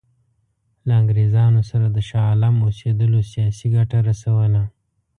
له انګرېزانو سره د شاه عالم اوسېدلو سیاسي ګټه رسوله.